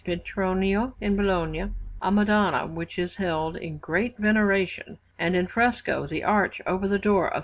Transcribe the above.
Petronio in Bologna), a Madonna which is held in great veneration; and in fresco, the arch over the door of S.